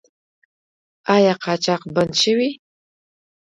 آیا قاچاق بند شوی؟